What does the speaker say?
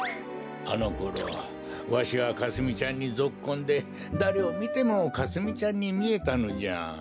あのころわしはかすみちゃんにぞっこんでだれをみてもかすみちゃんにみえたのじゃ。